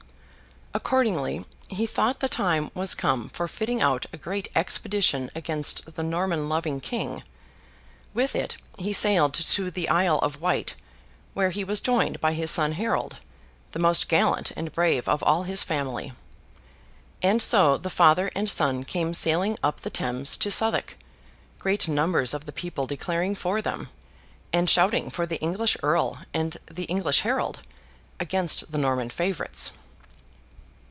Accordingly, he thought the time was come for fitting out a great expedition against the Norman loving King. With it, he sailed to the Isle of Wight, where he was joined by his son Harold, the most gallant and brave of all his family. And so the father and son came sailing up the Thames to Southwark; great numbers of the people declaring for them, and shouting for the English Earl and the English Harold, against the Norman favourites!